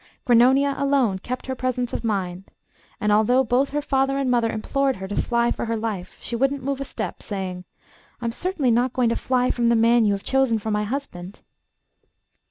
Grannonia alone kept her presence of mind, and although both her father and mother implored her to fly for her life, she wouldn't move a step, saying, 'I'm certainly not going to fly from the man you have chosen for my husband.